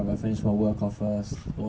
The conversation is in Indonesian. saya harus selesai kerja saya dulu